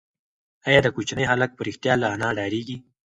ایا دا کوچنی هلک په رښتیا له انا ډارېږي؟